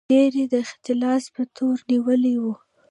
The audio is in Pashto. ډېر یې د اختلاس په تور نیولي وو.